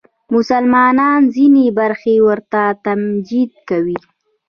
د مسلمانانو ځینې برخې ورته تمجید کوي